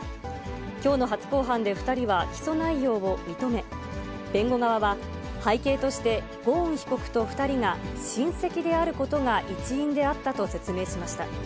きょうの初公判で２人は起訴内容を認め、弁護側は、背景としてゴーン被告と２人が親戚であることが一因であったと説明しました。